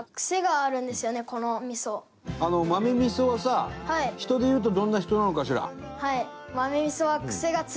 豆味噌はさ人で言うとどんな人なのかしら？